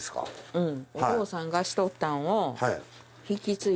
うん。